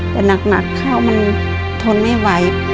แต่หนักเข้ามันทนไม่ไหว